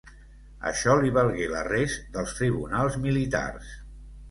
Això li valgué l'arrest dels tribunals militars.